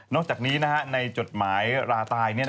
จากนี้ในจดหมายราตาย